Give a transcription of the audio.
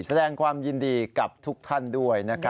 แสดงความยินดีกับทุกท่านด้วยนะครับ